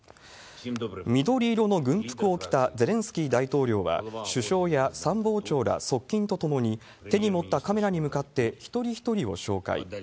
緑色の軍服を着たゼレンスキー大統領は、首相や参謀長ら側近と共に、手に持ったカメラに向かって一人一人を紹介。